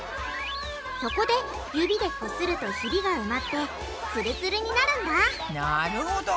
そこで指でこするとヒビが埋まってツルツルになるんだなるほど。